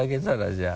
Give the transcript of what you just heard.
じゃあ。